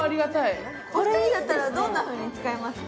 お二人だったらどんなふうに使いますか？